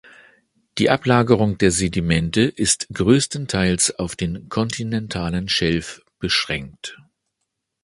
Die Ablagerung der Sedimente ist größtenteils auf den kontinentalen Schelf beschränkt.